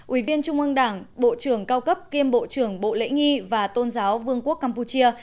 ủy viên trung ương đảng bộ trưởng cao cấp kiêm bộ trưởng bộ lễ nghi và tôn giáo vương quốc campuchia